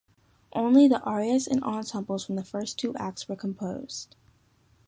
Only the arias and ensembles from the first two acts were composed.